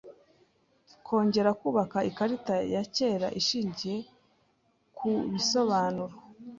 Kongera kubaka ikarita ya kera ishingiye ku bisobanuro